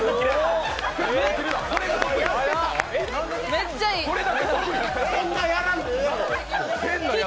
めっちゃいい。